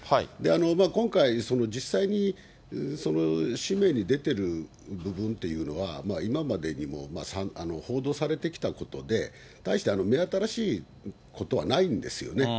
今回、実際に誌面に出てる部分っていうのは、今までにも報道されてきたことで、対して目新しいことはないんですよね。